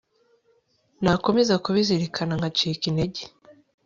nakomeza kubizirikana, ngacika intege